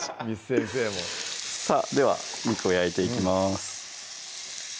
簾先生もさぁでは肉を焼いていきます